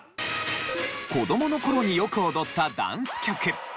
子どもの頃によく踊ったダンス曲。